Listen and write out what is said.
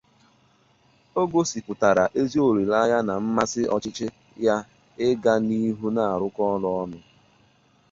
O gosipụtara ezi olileanya na mmasị ọchịchị ya ịga n'ihu na-arụkọ ọrụ ọnụ